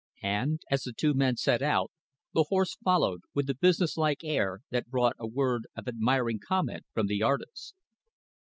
And, as the two men set out, the horse followed, with a business like air that brought a word of admiring comment from the artist.